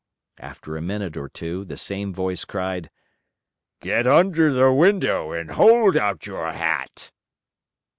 After a minute or two, the same voice cried: "Get under the window and hold out your hat!"